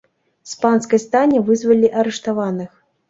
З панскай стайні вызвалілі арыштаваных.